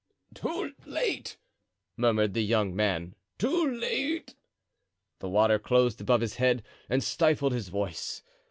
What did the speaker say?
"Too late!" murmured the young man, "too late!" The water closed above his head and stifled his voice.